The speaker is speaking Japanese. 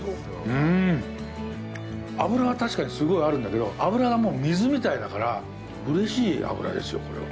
うん、脂は確かにすごいあるんだけど、脂がもう水みたいだから、うれしい脂ですよ、これは。